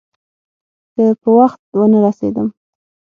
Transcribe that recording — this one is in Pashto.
که په وخت ونه رسېدم.